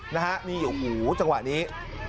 นี่จังหวะนี้